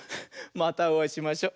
またおあいしましょ。